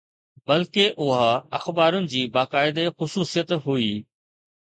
بلڪه اها اخبارن جي باقاعدي خصوصيت هئي.